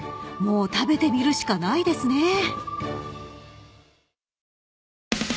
［もう食べてみるしかないですね］